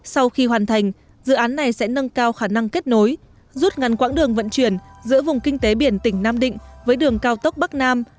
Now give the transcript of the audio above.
sau khi hoàn thành dự án này sẽ nâng cao khả năng kết nối rút ngắn quãng đường vận chuyển giữa vùng kinh tế biển tỉnh nam định với đường cao tốc bắc nam